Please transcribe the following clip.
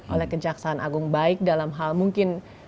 oleh kejaksaan agung baik dalam hal mungkin